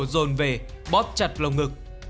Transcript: rồn về bóp chặt lồng ngực